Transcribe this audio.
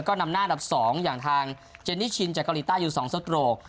ก็นำหน้าอันดับ๒อย่างทางเจนิชินจากเกาหลีใต้อยู่๒สโตรก